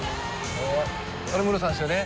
あれムロさんですよね？